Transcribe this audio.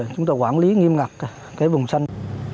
chúng tôi quản lý nghiêm ngặt vùng xanh